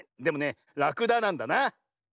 でもねラクダなんだな。